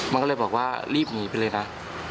มันก็เลยบอกว่ารีบหนีไปเลยนะ